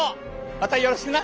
またよろしくな！